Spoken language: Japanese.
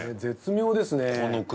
絶妙ですね。